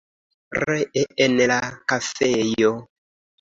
Ree en la kafejo.